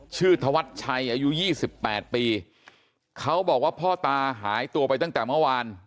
ชื่อถวัดชัยอายุ๒๘ปีเขาบอกว่าพ่อตาหายตัวไปตั้งแต่เมื่อวาน